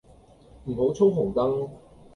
唔好衝紅燈